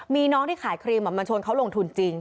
มีน้องที่ขายครีมมาชวนเขาลงทุนจริง